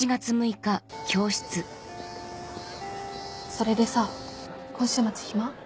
それでさ今週末暇？